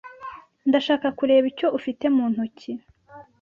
Ndashaka kureba icyo ufite mu ntoki.